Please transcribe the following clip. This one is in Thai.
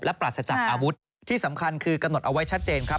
ปราศจากอาวุธที่สำคัญคือกำหนดเอาไว้ชัดเจนครับ